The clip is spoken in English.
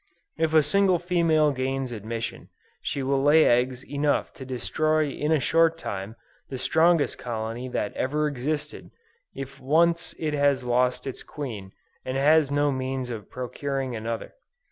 If a single female gains admission, she will lay eggs enough to destroy in a short time, the strongest colony that ever existed, if once it has lost its queen, and has no means of procuring another.